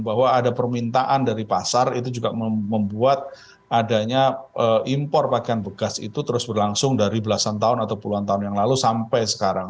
bahwa ada permintaan dari pasar itu juga membuat adanya impor pakaian bekas itu terus berlangsung dari belasan tahun atau puluhan tahun yang lalu sampai sekarang